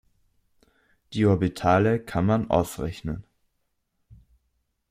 Die Orbitale kann man ausrechnen.